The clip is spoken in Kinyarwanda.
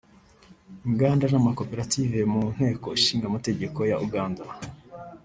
Inganda n’Amakoperative mu Nteko Ishinga Amategeko ya Uganda